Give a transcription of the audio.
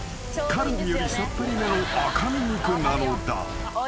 ［カルビよりさっぱりめの赤身肉なのだ］